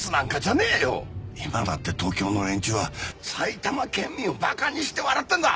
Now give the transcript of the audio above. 今だって東京の連中は埼玉県民をバカにして笑ってんだ！